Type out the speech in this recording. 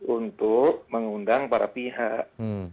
untuk mengundang para pihak